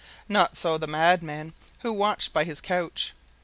Not so the madman, who sat watching by his couch.